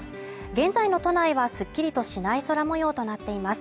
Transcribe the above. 現在の都内はすっきりとしない空模様となっています。